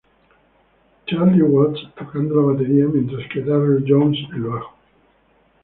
Charlie Watts tocando la batería mientras que Darryl Jones el bajo.